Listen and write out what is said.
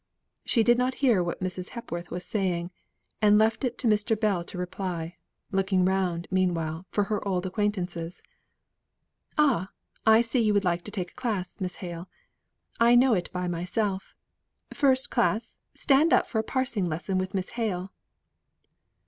She did not hear what Mrs. Hepworth was saying, and left it to Mr. Bell to reply, looking round, meanwhile, for her old acquaintances. "Ah! I see you would like to take a class, Miss Hale. I know it by myself. First class stand up for a parsing lesson with Miss Hale."